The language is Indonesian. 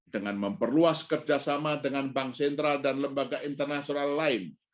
dengan memperluas kerjasama dengan bank sentral dan lembaga internasional lain